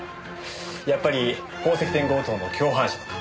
やっぱり宝石店強盗の共犯者とか？